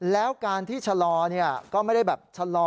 แล้วการที่ชะลอก็ไม่ได้แบบชะลอ